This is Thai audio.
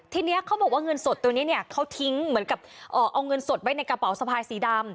ทีนี้เขาบอกว่าเงินสดตัวนี้เนี่ยเขาทิ้งเหมือนกับเอาเงินสดไว้ในกระเป๋าสะพายสีดำ